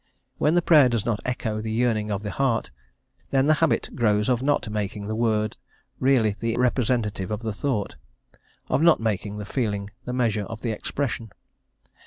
When the prayer does not echo the yearning of the heart, then the habit grows of not making the word really the representative of the thought, of not making the feeling the measure of the expression.